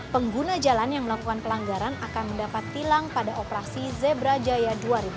pengguna jalan yang melakukan pelanggaran akan mendapat tilang pada operasi zebra jaya dua ribu dua puluh